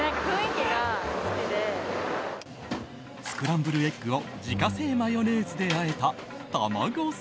スクランブルエッグを自家製マヨネーズであえたたまご